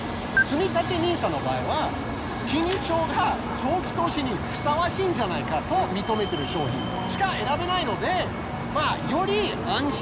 つみたてＮＩＳＡの場合は金融庁が長期投資にふさわしいんじゃないかと認めてる商品しか選べないのでまぁより安心して。